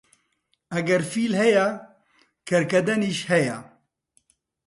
ئەگەر فیل هەیە، کەرگەدەنیش هەیە